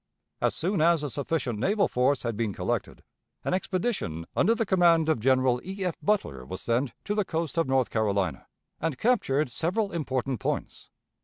As soon as a sufficient naval force had been collected, an expedition under the command of General E. F. Butler was sent to the coast of North Carolina, and captured several important points.